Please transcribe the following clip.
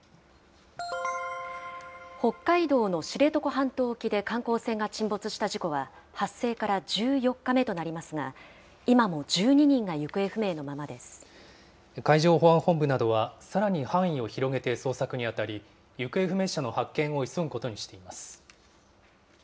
北海道の知床半島沖で観光船が沈没した事故は、発生から１４日目となりますが、海上保安本部などは、さらに範囲を広げて捜索に当たり、行方不明者の発見を急ぐことにしています。